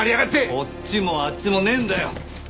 こっちもあっちもねえんだよ！